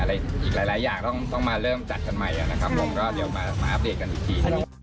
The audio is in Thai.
หลายอย่างต้องมาเริ่มจัดกันใหม่ก็เดี๋ยวมาอัพเดทกันอีกที